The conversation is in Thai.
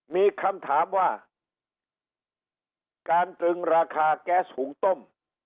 มีคำถามว่าการตรึงราคาแก๊สหุงต้ม